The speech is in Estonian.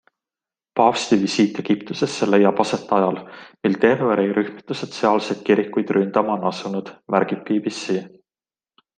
Paavsti visiit Egiptusesse leiab aset ajal, mil terrorirühmitused sealseid kirikuid ründama on asunud, märgib BBC.